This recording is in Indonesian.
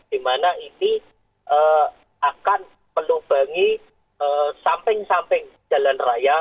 dimana ini akan melubangi samping samping jalan raya